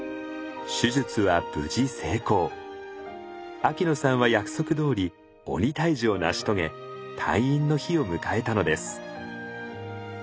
秋野さんは約束どおり鬼退治を成し遂げ退院の日を迎えたのです。